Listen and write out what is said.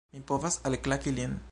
Mi povas alklaki lin!